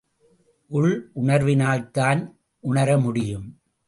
உள்ளுணர்வினால்தான் உணர முடியும்.